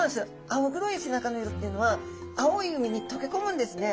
青黒い背中の色っていうのは青い海にとけこむんですね。